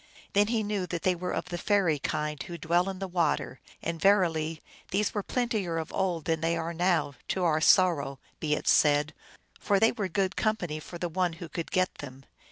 Then he knew that they were of the fairy kind, who dwell in the water ; and, verily, these were plentier of old than they are now, to our sorrow be it said, for they were good com pany for the one who could get them.